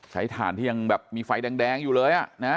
ใช้ถ่านที่ยังแบบมีไฟแดงแดงอยู่เลยอ่ะนะฮะ